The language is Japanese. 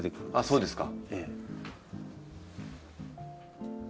そうですか。